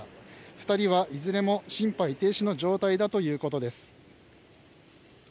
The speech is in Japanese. ２人はいずれも心肺停止の状態だということです。